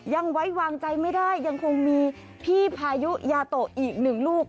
ยังไว้วางใจไม่ได้ยังคงมีพี่พายุยาโตะอีกหนึ่งลูก